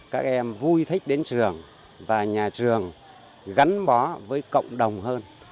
các em vui thích đến trường và nhà trường gắn bó với cộng đồng hơn